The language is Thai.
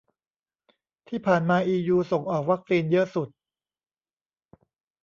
ที่ผ่านมาอียูส่งออกวัคซีนเยอะสุด